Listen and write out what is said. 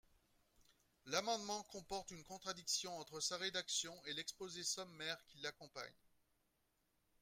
L’amendement comporte une contradiction entre sa rédaction et l’exposé sommaire qui l’accompagne.